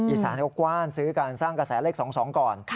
อีสานเขากว้านซื้อการสร้างกระแสเลข๒๒ก่อน